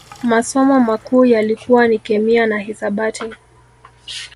Masomo makuu yalikuwa ni Kemia na Hisabati